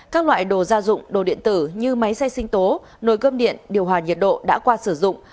các loại đồ gia dụng đồ điện tử như máy xay sinh tố nồi cơm điện điều hòa nhiệt độ đã qua sử dụng